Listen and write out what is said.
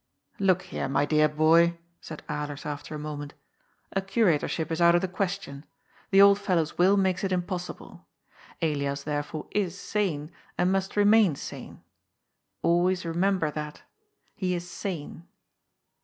^^ Look hear, my dear boy,'' said Alers after a moment. " A curatorship is out of the question. The old fellow's will makes it impossible. Elias therefore is sane, and must remain sane. Always remember that. He is sane."